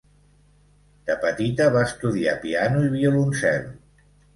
De petita va estudiar piano i violoncel.